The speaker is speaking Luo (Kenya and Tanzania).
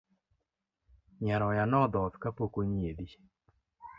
Nyaroya nodhoth kapok onyiedhi